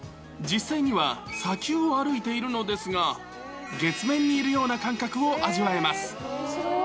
実際には砂丘を歩いているのですが、月面にいるような感覚を味わえます。